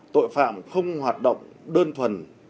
tội phạm không hoạt động đơn thuần